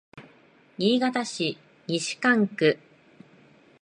新潟市西蒲区